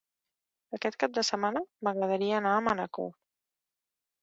Aquest cap de setmana m'agradaria anar a Manacor.